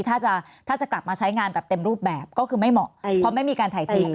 ถ้าจะกลับมาใช้งานแบบเต็มรูปแบบก็คือไม่เหมาะเพราะไม่มีการถ่ายที